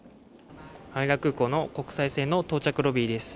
羽田空港の国際線の到着ロビーです